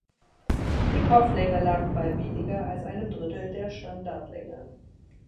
Die Kopflänge lag bei weniger als einem Drittel der Standardlänge.